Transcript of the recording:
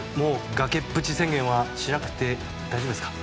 崖っぷち宣言はしなくて大丈夫ですか？